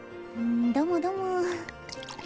どもども。